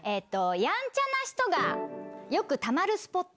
やんちゃな人がよくたまるスポット。